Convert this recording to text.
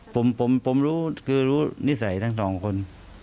ผมรู้นิสัยทั้งสองคน